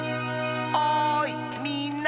おいみんな！